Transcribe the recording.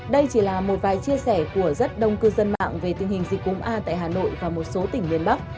đây chỉ là một vài chia sẻ của rất đông cư dân mạng về tình hình dịch cúm a tại hà nội và một số tỉnh miền bắc